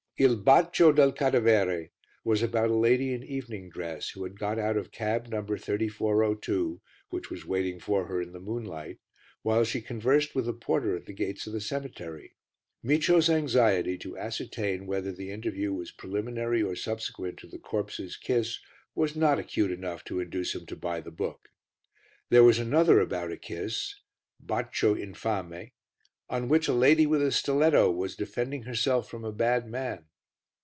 Il Bacio del Cadavere was about a lady in evening dress who had got out of cab No. 3402 which was waiting for her in the moonlight while she conversed with the porter at the gates of the cemetery; Micio's anxiety to ascertain whether the interview was preliminary or subsequent to the corpse's kiss was not acute enough to induce him to buy the book. There was another about a kiss, Bacio Infame, on which a lady with a stiletto was defending herself from a bad man.